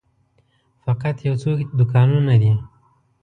فقط یو څو دوکانونه دي.